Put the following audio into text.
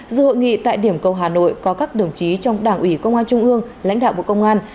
dự hội nghị tại điểm cầu hà nội có các đồng chí trong đảng ủy công an trung ương lãnh đạo bộ công an